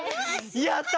やった！